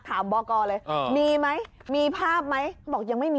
หาวหาวหาวหาวหาวหาวหาวหาว